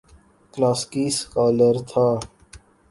کلاسیکی سکالر تھا۔